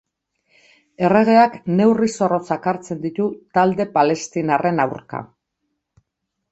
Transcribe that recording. Erregeak neurri zorrotzak hartzen ditu talde palestinarren aurka.